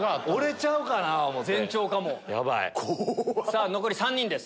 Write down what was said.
さぁ残り３人です。